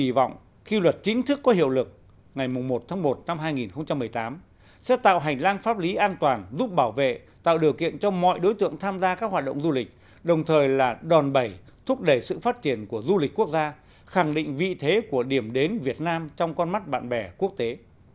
kỳ vọng khi luật chính thức có hiệu lực ngày một tháng một năm hai nghìn một mươi tám sẽ tạo hành lang pháp lý an toàn giúp bảo vệ tạo điều kiện cho mọi đối tượng tham gia các hoạt động du lịch đồng thời là đòn bẩy thúc đẩy sự phát triển của du lịch quốc gia khẳng định vị thế của điểm đến việt nam trong con mắt bạn bè quốc tế